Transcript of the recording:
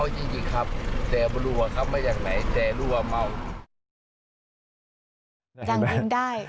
ยังยิงได้